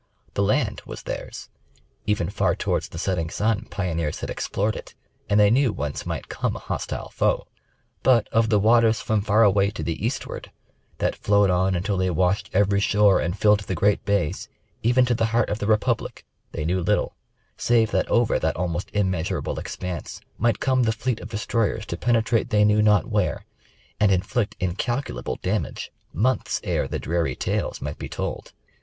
The land was theirs, even far towards the setting sun, pioneers had explored it, and they knew whence might come a hostile foe. But of the waters from far away to the eastward, that flowed on until they washed every shore and filled the great Bays, even to the heart of the Republic, they knew little, save that over that almost immeasurable expanse might come the fleet of destroyers to penetrate they knew not where, and inflict incalculable damage months ere the dreary tales might be told.